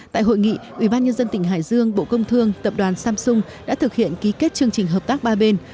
tại hội nghị ubnd tỉnh hải dương bộ công thương tập đoàn samsung đã thực hiện ký kết chương trình hợp tác ba bên